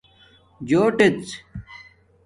جݸٹژ